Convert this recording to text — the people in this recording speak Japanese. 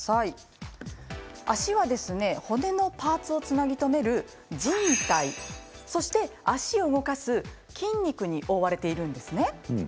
足は骨のパーツをつなぎ止めるじん帯と足を動かす筋肉に覆われているんです。